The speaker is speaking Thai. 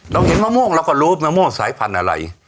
เห็นมะม่วงเราก็รู้มะม่วงสายพันธุ์อะไร